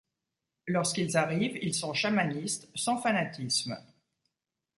Lorsqu'ils arrivent, ils sont chamanistes, sans fanatisme.